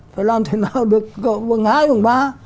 phải làm thế nào được gần hai gần ba